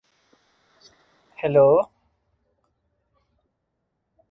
On weekends there are five daily services between Hull and King's Cross only.